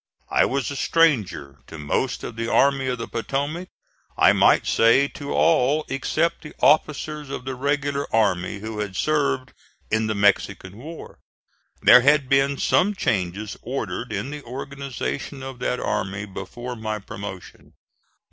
I was a stranger to most of the Army of the Potomac, I might say to all except the officers of the regular army who had served in the Mexican war. There had been some changes ordered in the organization of that army before my promotion.